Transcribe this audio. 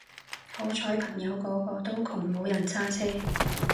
好彩朋友個個都窮冇人揸車